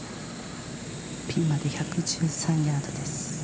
ピンまで１１３ヤードです。